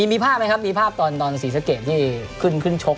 มีภาพไหมครับมีภาพตอนศรีสะเกดที่ขึ้นชก